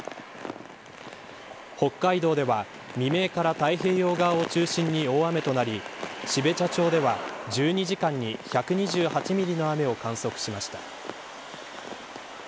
北海道では未明から太平洋側を中心に大雨となり標茶町では１２時間に１２８ミリの雨を観測しました。